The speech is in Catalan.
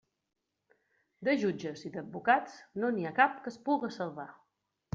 De jutges i d'advocats, no n'hi ha cap que es puga salvar.